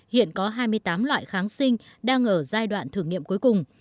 hiện có hai mươi tám loại kháng sinh đang ở giai đoạn thử nghiệm cuối cùng